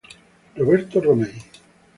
Roberto Romei